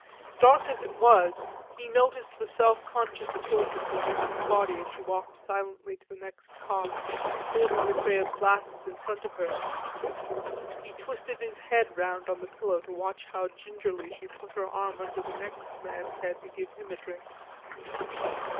Dark as it was he noticed the self conscious tilt of the nurse's body as she walked silently to the next cot, holding the tray of glasses in front of her. He twisted his head round on the pillow to watch how gingerly she put her arm under the next man's head to give him a drink.